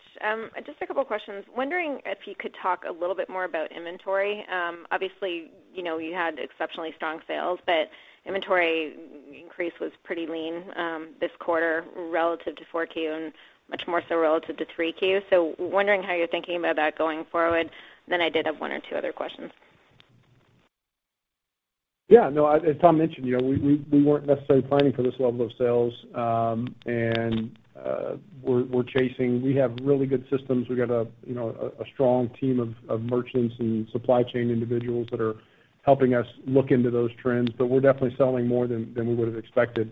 Just a couple questions. Wondering if you could talk a little bit more about inventory. Obviously, you know, you had exceptionally strong sales, but inventory increase was pretty lean this quarter relative to 4Q and much more so relative to 3Q. Wondering how you're thinking about that going forward. I did have one or two other questions. Yeah, no, as Tom mentioned, you know, we weren't necessarily planning for this level of sales. We're chasing. We have really good systems. We got a, you know, a strong team of merchants and supply chain individuals that are helping us look into those trends. We're definitely selling more than we would've expected.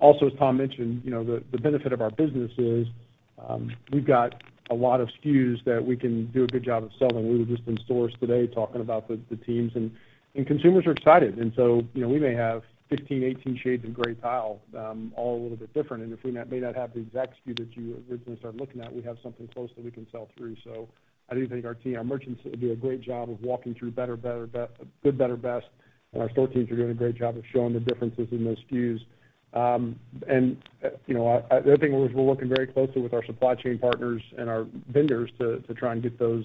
Also, as Tom mentioned, you know, the benefit of our business is, we've got a lot of SKUs that we can do a good job of selling. We were just in stores today talking about the teams and consumers are excited. You know, we may have 15 shades, 18 shades of gray tile, all a little bit different, and if we may not have the exact SKU that you originally started looking at, we have something close that we can sell through. I do think our team, our merchants do a great job of walking through good, better, best, and our store teams are doing a great job of showing the differences in those SKUs. You know, the other thing was we're working very closely with our supply chain partners and our vendors to try and get those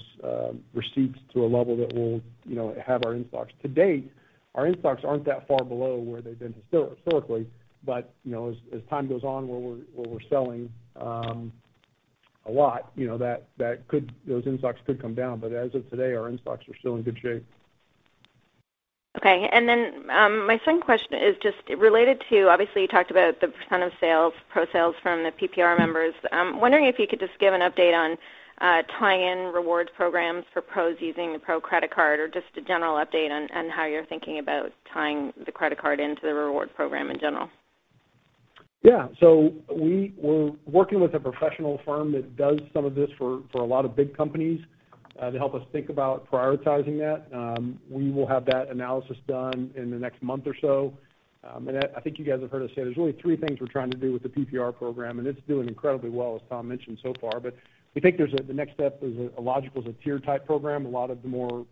receipts to a level that will, you know, have our in-stocks. To date, our in-stocks aren't that far below where they've been historically, you know, as time goes on, where we're selling a lot, you know, that those in-stocks could come down. As of today, our in-stocks are still in good shape. Okay. Then, my second question is just related to, obviously, you talked about the percent of sales, pro sales from the PPR members. I'm wondering if you could just give an update on tie-in reward programs for pros using the Pro credit card or just a general update on how you're thinking about tying the credit card into the reward program in general. Yeah. We're working with a professional firm that does some of this for a lot of big companies to help us think about prioritizing that. We will have that analysis done in the next month or so. I think you guys have heard us say there's really three things we're trying to do with the PPR program, and it's doing incredibly well, as Tom mentioned so far. We think the next step is a logical tier-type program. A lot of the more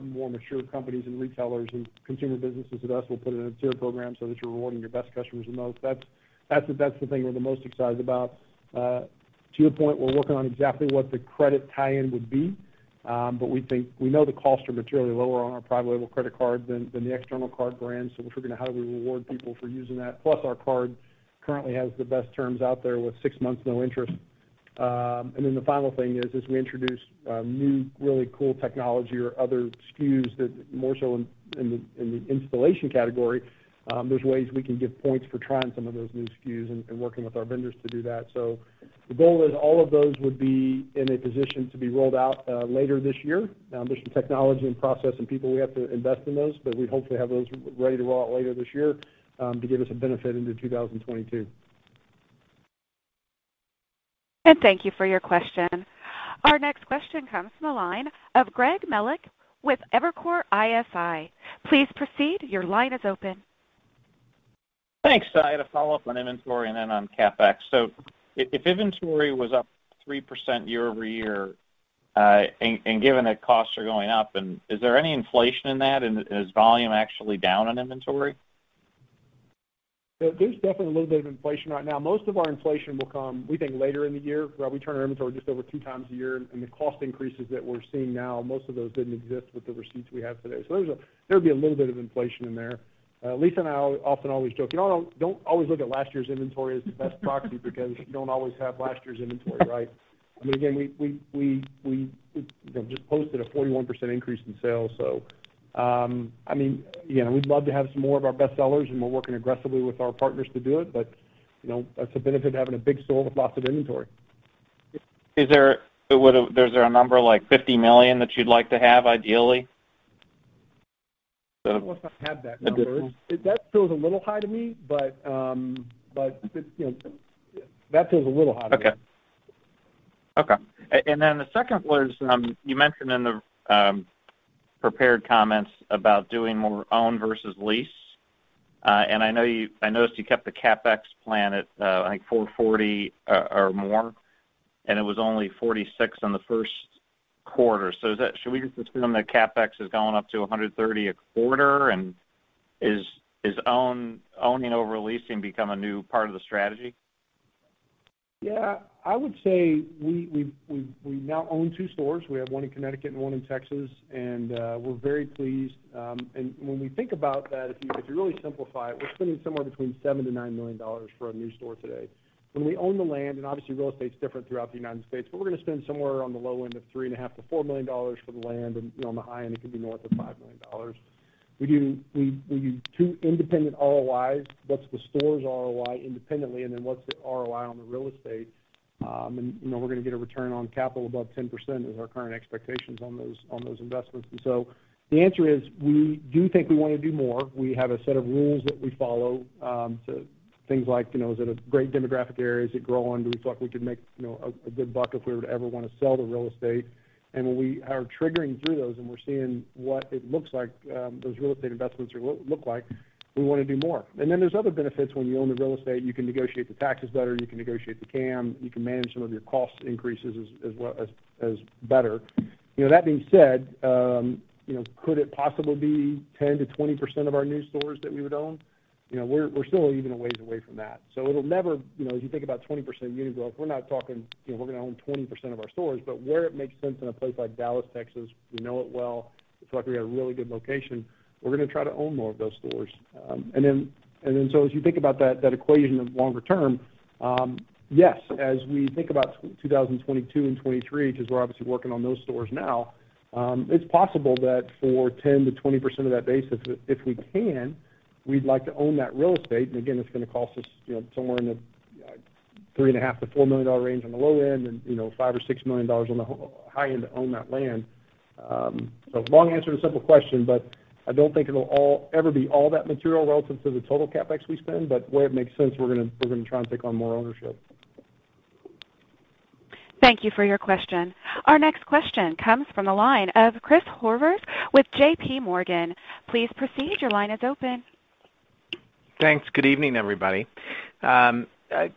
mature companies and retailers and consumer businesses with us will put in a tier program so that you're rewarding your best customers the most. That's the thing we're the most excited about. To your point, we're working on exactly what the credit tie-in would be. We think the costs are materially lower on our private label credit card than the external card brands. We're figuring out how do we reward people for using that. Plus, our card currently has the best terms out there with six months, no interest. The final thing is, as we introduce new really cool technology or other SKUs that more so in the installation category, there's ways we can give points for trying some of those new SKUs and working with our vendors to do that. The goal is all of those would be in a position to be rolled out later this year. There's some technology and process and people we have to invest in those, but we'd hopefully have those ready to roll out later this year, to give us a benefit into 2022. Thank you for your question. Our next question comes from the line of Greg Melich with Evercore ISI. Thanks. I had a follow-up on inventory and then on CapEx. If inventory was up 3% year-over-year, and given that costs are going up, is there any inflation in that? Is volume actually down on inventory? There's definitely a little bit of inflation right now. Most of our inflation will come, we think, later in the year. We turn our inventory just over 2 times a year, and the cost increases that we're seeing now, most of those didn't exist with the receipts we have today. There'll be a little bit of inflation in there. Lisa Laube and I often always joke, you know, don't always look at last year's inventory as the best proxy because you don't always have last year's inventory, right? I mean, again, we, you know, just posted a 41% increase in sales. I mean, you know, we'd love to have some more of our best sellers, and we're working aggressively with our partners to do it. You know, that's the benefit of having a big store with lots of inventory. Is there a number like $50 million that you'd like to have, ideally? I don't know if I've had that numbers. Additional. That feels a little high to me, but, you know, that feels a little high to me. Okay. Okay. The second was, you mentioned in the prepared comments about doing more own versus lease. I noticed you kept the CapEx plan at, I think $440 or more, and it was only $46 on the first quarter. Should we just assume that CapEx is going up to $130 a quarter? Is owning over leasing become a new part of the strategy? Yeah. I would say we now own two stores. We have one in Connecticut and one in Texas, and we're very pleased. When we think about that, if you really simplify it, we're spending somewhere between $7 million-$9 million for a new store today. When we own the land, and obviously real estate is different throughout the U.S., we're gonna spend somewhere on the low end of $3.5 million-$4 million for the land, and on the high end, it could be north of $5 million. We do two independent ROIs, what's the store's ROI independently, what's the ROI on the real estate. You know, we're gonna get a return on capital above 10% is our current expectations on those investments. The answer is, we do think we wanna do more. We have a set of rules that we follow, to things like, is it a great demographic area, is it growing? Do we thought we could make a good buck if we were to ever wanna sell the real estate? When we are triggering through those and we're seeing what it looks like, those real estate investments look like, we wanna do more. There's other benefits when you own the real estate. You can negotiate the taxes better, you can negotiate the CAM, you can manage some of your cost increases as better. That being said, could it possibly be 10%-20% of our new stores that we would own? You know, we're still even a ways away from that. You know, as you think about 20%, you know, we're not talking, you know, we're gonna own 20% of our stores. Where it makes sense in a place like Dallas, Texas, we know it well. It's like we got a really good location. We're gonna try to own more of those stores. As you think about that equation of longer term, yes, as we think about 2022 and 2023, because we're obviously working on those stores now, it's possible that for 10%-20% of that basis, if we can, we'd like to own that real estate. Again, it's gonna cost us, you know, somewhere in the $3.5 million-$4 million range on the low end and, you know, $5 million or $6 million on the high end to own that land. Long answer to a simple question, I don't think it'll ever be all that material relative to the total CapEx we spend. Where it makes sense, we're gonna try and take on more ownership. Thank you for your question. Our next question comes from the line of Chris Horvers with JPMorgan. Please proceed. Your line is open. Thanks. Good evening, everybody. A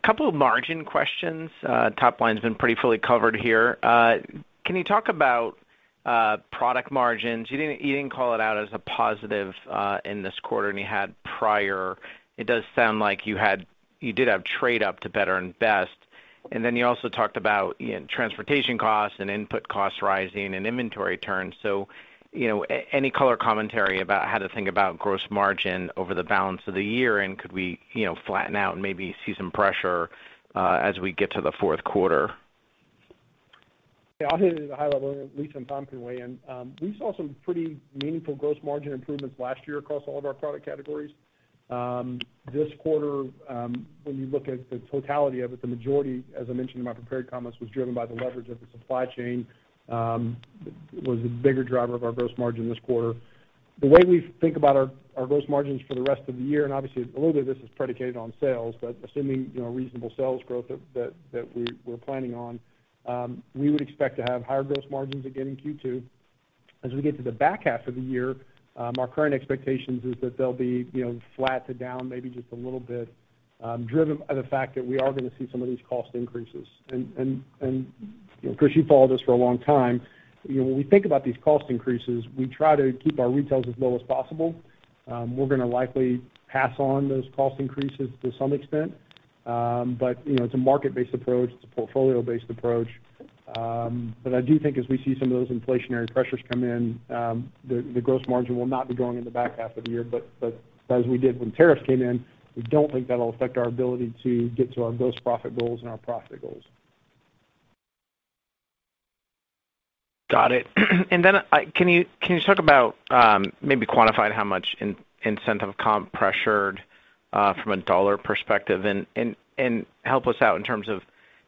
couple of margin questions. Top line's been pretty fully covered here. Can you talk about product margins? You didn't, you didn't call it out as a positive in this quarter, and you had prior. It does sound like you did have trade up to better and best. Then you also talked about, you know, transportation costs and input costs rising and inventory turns. You know, any color commentary about how to think about gross margin over the balance of the year, and could we, you know, flatten out and maybe see some pressure as we get to the fourth quarter? Yeah, I'll hit it at a high level. Lisa and Tom can weigh in. We saw some pretty meaningful gross margin improvements last year across all of our product categories. This quarter, when you look at the totality of it, the majority, as I mentioned in my prepared comments, was driven by the leverage of the supply chain, was the bigger driver of our gross margin this quarter. The way we think about our gross margins for the rest of the year, and obviously a little bit of this is predicated on sales, but assuming, you know, reasonable sales growth that we're planning on, we would expect to have higher gross margins again in Q2. As we get to the back half of the year, our current expectations is that they'll be, you know, flat to down maybe just a little bit, driven by the fact that we are gonna see some of these cost increases. You know, Chris, you've followed us for a long time. You know, when we think about these cost increases, we try to keep our retails as low as possible. We're gonna likely pass on those cost increases to some extent. You know, it's a market-based approach, it's a portfolio-based approach. I do think as we see some of those inflationary pressures come in, the gross margin will not be growing in the back half of the year. As we did when tariffs came in, we don't think that'll affect our ability to get to our gross profit goals and our profit goals. Got it. Can you talk about maybe quantifying how much incentive comp pressured from a dollar perspective and help us out in terms of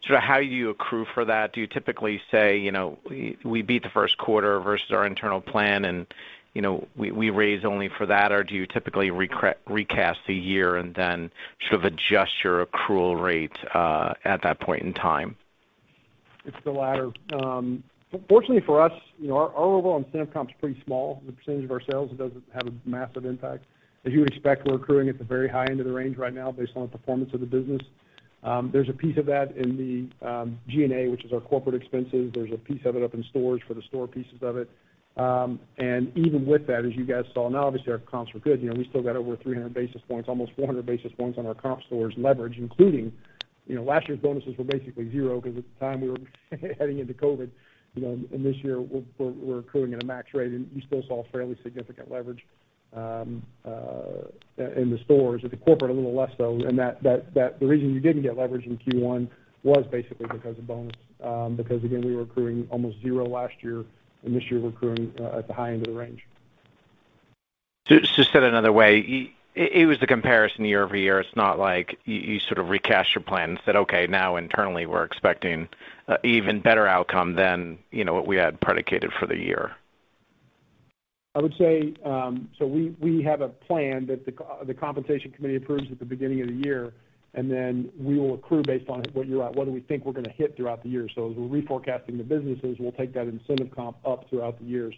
sort of how you accrue for that? Do you typically say, you know, we beat the first quarter versus our internal plan and, you know, we raise only for that? Or do you typically recast the year and then sort of adjust your accrual rate at that point in time? It's the latter. Fortunately for us, you know, our level on incentive comp is pretty small. The percentage of our sales, it doesn't have a massive impact. As you would expect, we're accruing at the very high end of the range right now based on the performance of the business. There's a piece of that in the G&A, which is our corporate expenses. There's a piece of it up in stores for the store pieces of it. Even with that, as you guys saw, obviously our comps were good, you know, we still got over 300 basis points, almost 400 basis points on our comp stores leverage, including, you know, last year's bonuses were basically 0 because at the time we were heading into COVID, you know, and this year we're accruing at a max rate and you still saw fairly significant leverage in the stores. At the corporate, a little less so. The reason you didn't get leverage in Q1 was basically because of bonus, because again, we were accruing almost zero last year, and this year we're accruing at the high end of the range. To say it another way, it was the comparison year-over-year. It's not like you sort of recast your plan and said, "Okay, now internally we're expecting an even better outcome than, you know, what we had predicated for the year. I would say, we have a plan that the compensation committee approves at the beginning of the year, and then we will accrue based on what do we think we're gonna hit throughout the year. As we're reforecasting the businesses, we'll take that incentive comp up throughout the year.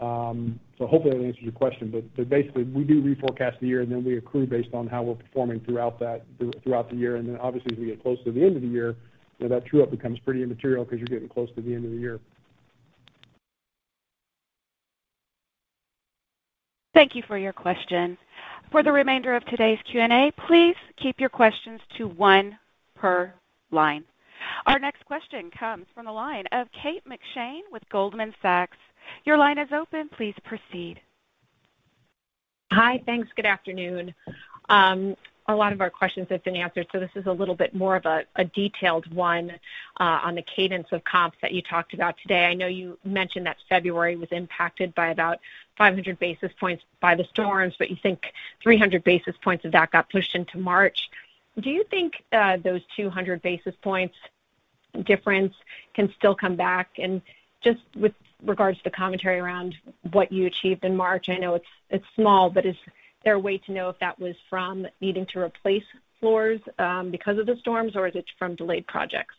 Hopefully that answers your question. Basically we do reforecast the year, and then we accrue based on how we're performing throughout the year. Obviously, as we get close to the end of the year, you know, that true-up becomes pretty immaterial because you're getting close to the end of the year. Thank you for your question. For the remainder of today's Q&A, please keep your questions to one per line. Our next question comes from the line of Kate McShane with Goldman Sachs. Your line is open. Please proceed. Hi, thanks. Good afternoon. A lot of our questions have been answered, this is a little bit more of a detailed one on the cadence of comps that you talked about today. I know you mentioned that February was impacted by about 500 basis points by the storms, but you think 300 basis points of that got pushed into March. Do you think those 200 basis points difference can still come back? Just with regards to commentary around what you achieved in March, I know it's small, but is there a way to know if that was from needing to replace floors because of the storms, or is it from delayed projects?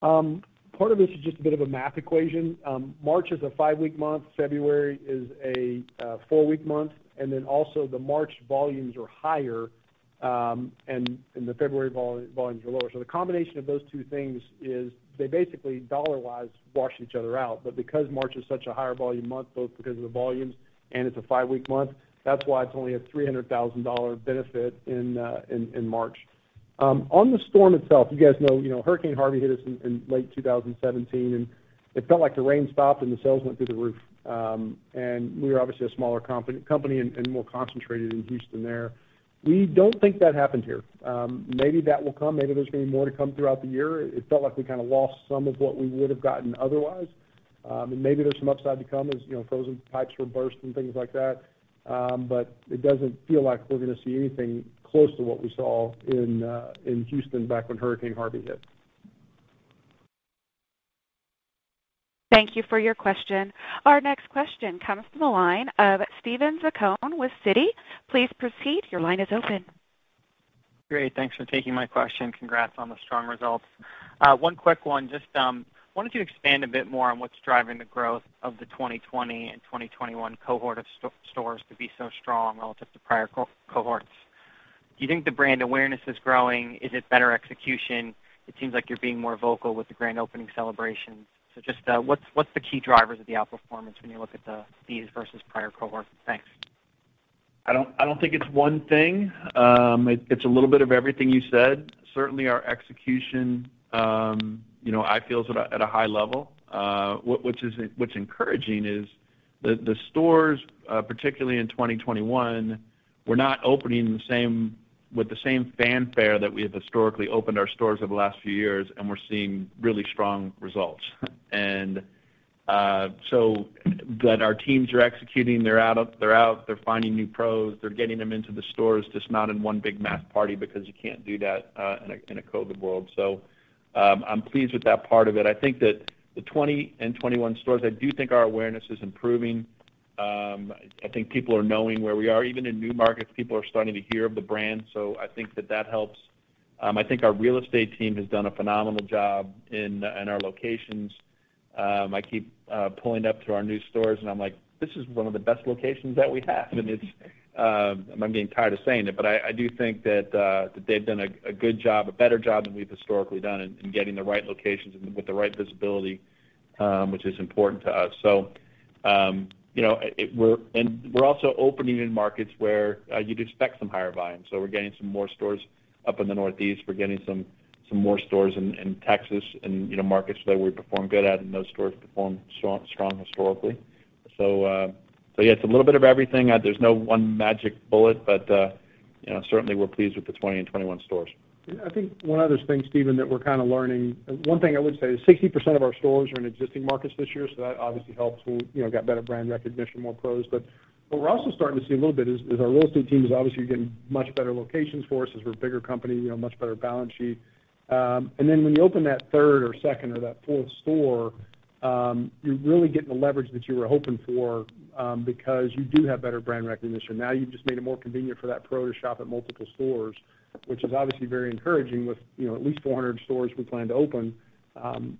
Part of this is just a bit of a math equation. March is a five-week month, February is a four-week month, the March volumes are higher, the February volumes are lower. The combination of those two things is they basically, dollar-wise, wash each other out. Because March is such a higher volume month, both because of the volumes and it's a five-week month, that's why it's only a $300,000 benefit in March. On the storm itself, you guys know, you know, Hurricane Harvey hit us in late 2017, it felt like the rain stopped and the sales went through the roof. We were obviously a smaller company and more concentrated in Houston there. We don't think that happened here. Maybe that will come. Maybe there's gonna be more to come throughout the year. It felt like we kinda lost some of what we would have gotten otherwise. Maybe there's some upside to come as, you know, frozen pipes were burst and things like that. It doesn't feel like we're gonna see anything close to what we saw in Houston back when Hurricane Harvey hit. Thank you for your question. Our next question comes from the line of Steven Zaccone with Citi. Please proceed. Your line is open. Great. Thanks for taking my question. Congrats on the strong results. One quick one. Just wanted you to expand a bit more on what's driving the growth of the 2020 and 2021 cohort of stores to be so strong relative to prior cohorts. Do you think the brand awareness is growing? Is it better execution? It seems like you're being more vocal with the grand opening celebrations. Just what's the key drivers of the outperformance when you look at these versus prior cohorts? Thanks. I don't think it's one thing. It's a little bit of everything you said. Certainly our execution, you know, I feel is at a high level. What's encouraging is. The stores, particularly in 2021, we're not opening with the same fanfare that we have historically opened our stores over the last few years. We're seeing really strong results. But our teams are executing. They're out. They're finding new pros. They're getting them into the stores, just not in one big mass party because you can't do that in a COVID world. I'm pleased with that part of it. I think that the 20 stores and 21 stores, I do think our awareness is improving. I think people are knowing where we are. Even in new markets, people are starting to hear of the brand. I think that helps. I think our real estate team has done a phenomenal job in our locations. I keep pulling up to our new stores and I'm like, "This is one of the best locations that we have." It's I might be getting tired of saying it, but I do think that they've done a good job, a better job than we've historically done in getting the right locations and with the right visibility, which is important to us. You know, we're also opening in markets where you'd expect some higher volume. We're getting some more stores up in the Northeast. We're getting some more stores in Texas and, you know, markets that we perform good at, and those stores perform strong historically. Yeah, it's a little bit of everything. There's no one magic bullet, but, you know, certainly we're pleased with the 2020 and 2021 stores. Yeah, I think one of the things, Steven, that we're kind of learning One thing I would say is 60% of our stores are in existing markets this year, so that obviously helps. We, you know, got better brand recognition, more pros. What we're also starting to see a little bit is, our real estate team is obviously getting much better locations for us as we're a bigger company, you know, much better balance sheet. When you open that third or second or that fourth store, you're really getting the leverage that you were hoping for, because you do have better brand recognition. Now you've just made it more convenient for that pro to shop at multiple stores, which is obviously very encouraging with, you know, at least 400 stores we plan to open.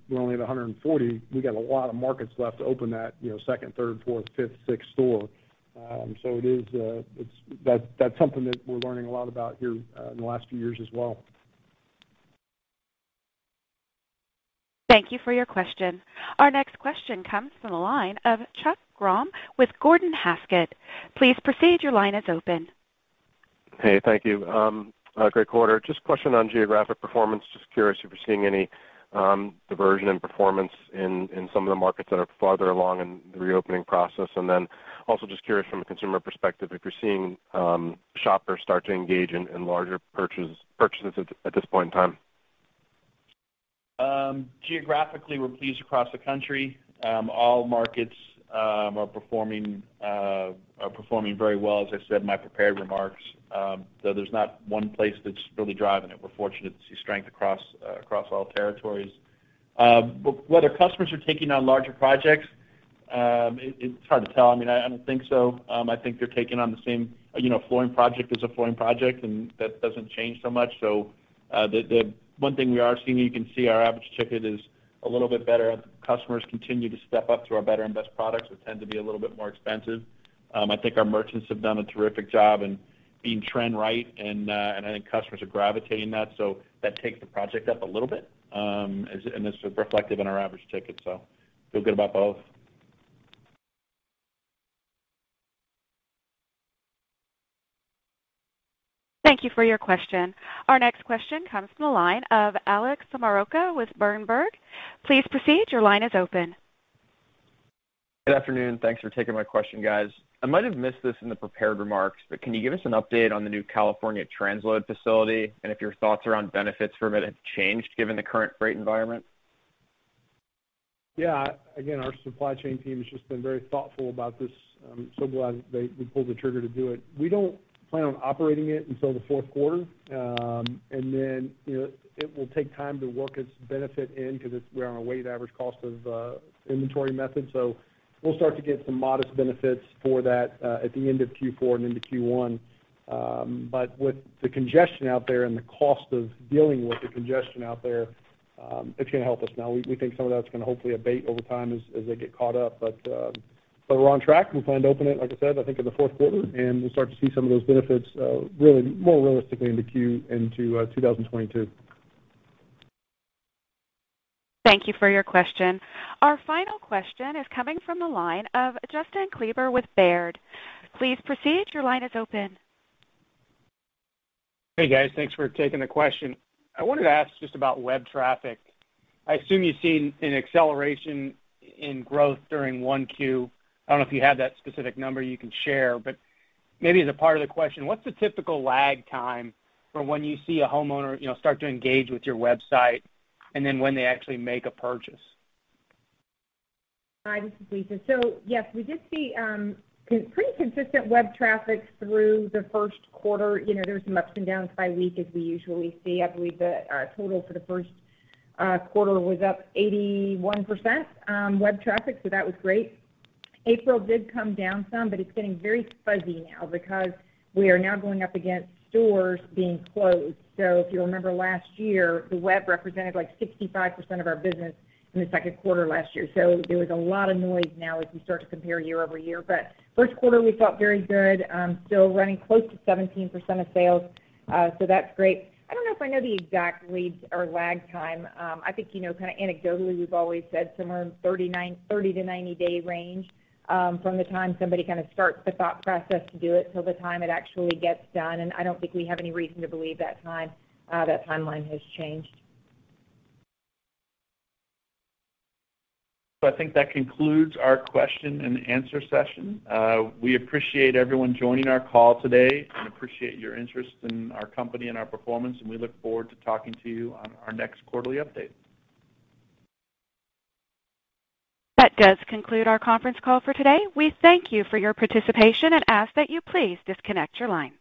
We're only at 140. We got a lot of markets left to open that, you know, second, third, fourth, fifth, sixth store. It is that's something that we're learning a lot about here in the last few years as well. Thank you for your question. Our next question comes from the line of Chuck Grom with Gordon Haskett. Please proceed. Your line is open. Hey, thank you. Great quarter. Just a question on geographic performance. Just curious if you're seeing any diversion in performance in some of the markets that are farther along in the reopening process. Also just curious from a consumer perspective if you're seeing shoppers start to engage in larger purchases at this point in time. Geographically, we're pleased across the country. All markets are performing very well, as I said in my prepared remarks. There's not one place that's really driving it. We're fortunate to see strength across all territories. Whether customers are taking on larger projects, it's hard to tell. I mean, I don't think so. I think they're taking on the same You know, a flooring project is a flooring project and that doesn't change so much. The 1 thing we are seeing, you can see our average ticket is a little bit better. Customers continue to step up to our better and best products, which tend to be a little bit more expensive. I think our merchants have done a terrific job in being trend right and I think customers are gravitating that, so that takes the project up a little bit. It's reflective in our average ticket, so feel good about both. Thank you for your question. Our next question comes from the line of Alex Maroccia with Berenberg. Good afternoon. Thanks for taking my question, guys. I might have missed this in the prepared remarks, but can you give us an update on the new California transload facility and if your thoughts around benefits from it have changed given the current freight environment? Yeah. Again, our supply chain team has just been very thoughtful about this. I'm so glad they pulled the trigger to do it. We don't plan on operating it until the fourth quarter. you know, it will take time to work its benefit in because we're on a weighted average cost of inventory method. We'll start to get some modest benefits for that at the end of Q4 and into Q1. With the congestion out there and the cost of dealing with the congestion out there, it's gonna help us. Now, we think some of that's gonna hopefully abate over time as they get caught up. We're on track. We plan to open it, like I said, I think in the fourth quarter, and we'll start to see some of those benefits, really more realistically into 2022. Thank you for your question. Our final question is coming from the line of Justin Kleber with Baird. Please proceed. Your line is open. Hey, guys. Thanks for taking the question. I wanted to ask just about web traffic. I assume you've seen an acceleration in growth during 1Q. I don't know if you have that specific number you can share, but maybe as a part of the question, what's the typical lag time from when you see a homeowner, you know, start to engage with your website and then when they actually make a purchase? Hi, this is Lisa. Yes, we did see pretty consistent web traffic through the first quarter. You know, there were some ups and downs by week as we usually see. I believe the, our total for the first quarter was up 81% web traffic, that was great. April did come down some, it's getting very fuzzy now because we are now going up against stores being closed. If you'll remember last year, the web represented like 65% of our business in the second quarter last year. There was a lot of noise now as we start to compare year-over-year. First quarter we felt very good, still running close to 17% of sales, that's great. I don't know if I know the exact lead or lag time. I think, you know, kind of anecdotally, we've always said somewhere in 30-90 day range from the time somebody kind of starts the thought process to do it till the time it actually gets done. I don't think we have any reason to believe that time, that timeline has changed. I think that concludes our question and answer session. We appreciate everyone joining our call today and appreciate your interest in our company and our performance, and we look forward to talking to you on our next quarterly update. That does conclude our conference call for today. We thank you for your participation and ask that you please disconnect your lines.